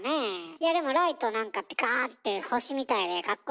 いやでもライトなんかピカーって星みたいでかっこいいわよ